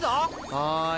はい。